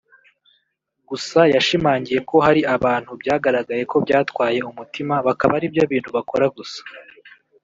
Gusa yashimangiye ko hari abantu byagaragaye ko byatwaye umutima bakaba ari byo bintu bakora gusa